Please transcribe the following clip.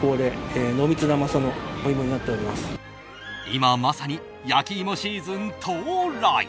今まさに焼き芋シーズン到来。